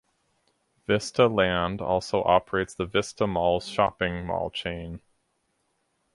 Vista Land also operates the Vista Malls shopping mall chain.